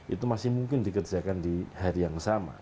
itu masih mungkin dikerjakan di hari yang sama